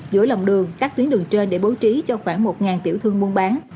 giữa lòng đường các tuyến đường trên để bố trí cho khoảng một tiểu thương buôn bán